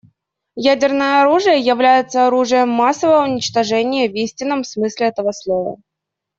Ядерное оружие является оружием массового уничтожения в истинном смысле этого слова.